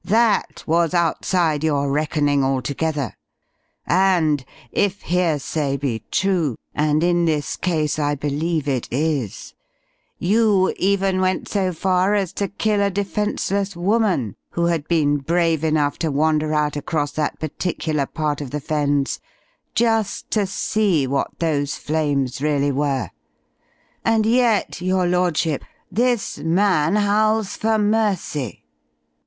That was outside your reckoning altogether. And, if hearsay be true (and in this case I believe it is) you even went so far as to kill a defenceless woman who had been brave enough to wander out across that particular part of the Fens just to see what those flames really were. And yet, your lordship, this man howls for mercy."